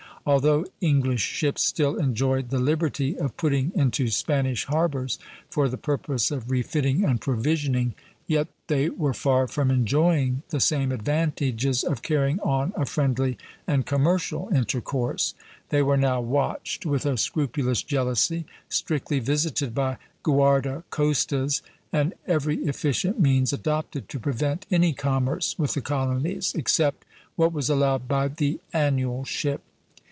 Although English ships still enjoyed the liberty of putting into Spanish harbors for the purpose of refitting and provisioning, yet they were far from enjoying the same advantages of carrying on a friendly and commercial intercourse. They were now watched with a scrupulous jealousy, strictly visited by guarda costas, and every efficient means adopted to prevent any commerce with the colonies, except what was allowed by the annual ship."